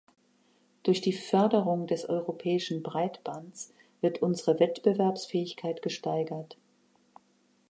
Durch die Förderung des europäischen Breitbands wird unsere Wettbewerbsfähigkeit gesteigert.